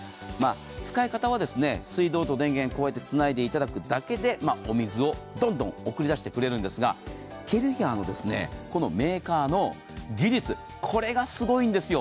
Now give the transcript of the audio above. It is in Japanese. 使い方は水道と電源をつないでいただくだけでお水をどんどん送り出してくれるんですが、ケルヒャーのメーカーの技術、これがすごいんですよ。